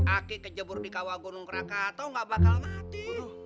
aki kejebur di kawah gunung krakatau gak bakal mati